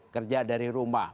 kerja dari rumah